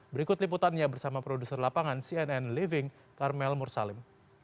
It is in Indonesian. berikut liputannya bersama produser lapangan cnn living karmel mursalim